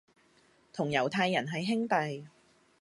同猶太人係兄弟